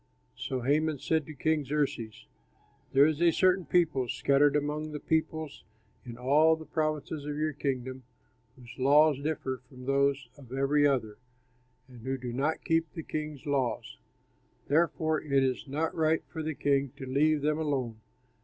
So Haman said to King Xerxes, "There is a certain people scattered among the peoples in all the provinces of your kingdom, whose laws differ from those of every other and who do not keep the king's laws. Therefore it is not right for the king to leave them alone.